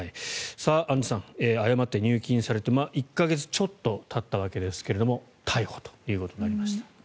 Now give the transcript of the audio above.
アンジュさん、誤って入金されて１か月ちょっとたったわけですが逮捕ということになりました。